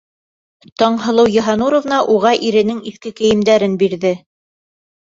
Таңһылыу Йыһаннуровна уға иренең иҫке кейемдәрен бирҙе.